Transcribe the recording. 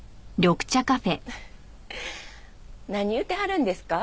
フフッ何言うてはるんですか？